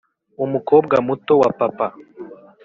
umukobwa muto wa papa